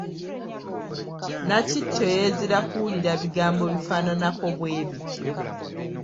Nakitto yeezira kuwulira bigambo bifaananako bwe bityo.